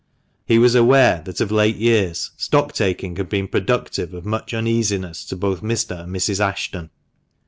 He was aware that of late years stock taking had been productive of much uneasiness to both Mr. and Mrs. Ashton.